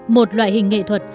một loại hình nghệ thuật